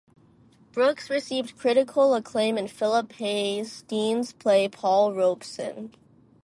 Brooks received critical acclaim in Phillip Hayes Dean's play "Paul Robeson".